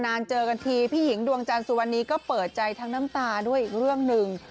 เจอกันทีพี่หญิงดวงจันทร์สุวรรณีก็เปิดใจทั้งน้ำตาด้วยอีกเรื่องหนึ่ง